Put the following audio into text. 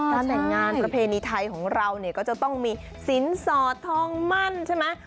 การแต่งงานประเพณีไทยของเราเนี่ยก็จะต้องมีสินสอดทองมั่นใช่ไหม